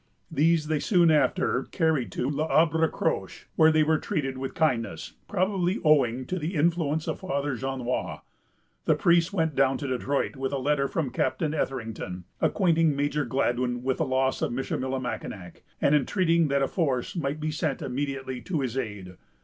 These they soon after carried to L'Arbre Croche, where they were treated with kindness, probably owing to the influence of Father Jonois. The priest went down to Detroit with a letter from Captain Etherington, acquainting Major Gladwyn with the loss of Michillimackinac, and entreating that a force might be sent immediately to his aid.